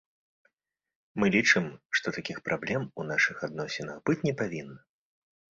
Мы лічым, што такіх праблем у нашых адносінах быць не павінна.